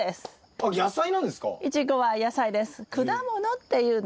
あっ野菜なんですか？